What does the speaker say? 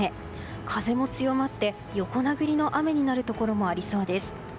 風も強まって、横殴りの雨になるところもありそうです。